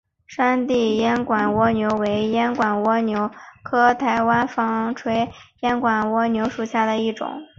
山地烟管蜗牛为烟管蜗牛科台湾纺锤烟管蜗牛属下的一个种。